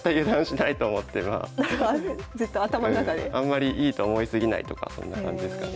あんまりいいと思い過ぎないとかそんな感じですかね。